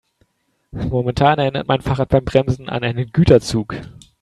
Momentan erinnert mein Fahrrad beim Bremsen an einen Güterzug.